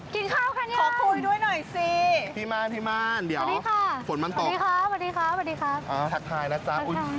ตามมาเออขอคุยด้วยหน่อยสิพี่ม่านเดี๋ยวฝนมันตกอ่าทักทายนะจ๊ะ